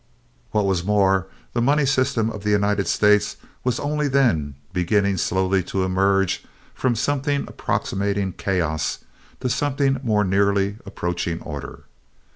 What was more, the money system of the United States was only then beginning slowly to emerge from something approximating chaos to something more nearly approaching order.